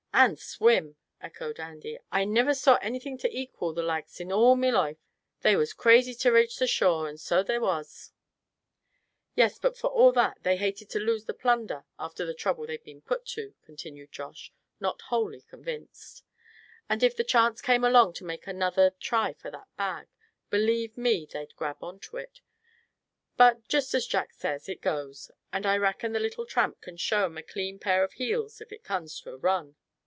"And swim!" echoed Andy. "I niver saw annything to equal the loikes in all me loife. They was crazy to ra'ch the shore, so they was." "Yes, but for all that they hated to lose the plunder after the trouble they'd been put to," continued Josh, not wholly convinced; "and if the chance came along to make another try for that bag, believe me, they'd grab on to it. But just as Jack says, it goes; and I reckon the little Tramp can show 'em a clean pair of heels if it comes to a run?"